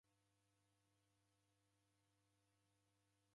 Kulale na w'ana wako w'ulinyi